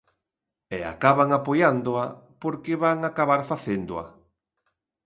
E acaban apoiándoa, porque van acabar facéndoa.